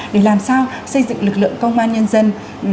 để làm sao xây dựng lực lượng công an nhân dân